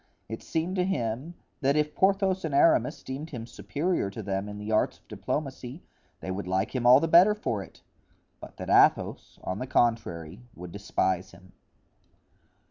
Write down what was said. It seemed to him that if Porthos and Aramis deemed him superior to them in the arts of diplomacy, they would like him all the better for it; but that Athos, on the contrary, would despise him.